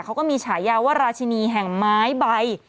เขาก็มีฉายาว่าราชินีแห่งไม้ใบ